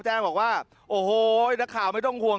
แจ้งบอกว่าโอ้โหนักข่าวไม่ต้องห่วง